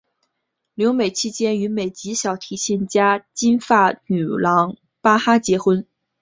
留美期间与美籍小提琴家金发女郎巴哈结婚。